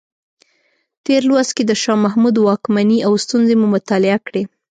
تېر لوست کې د شاه محمود واکمنۍ او ستونزې مو مطالعه کړې.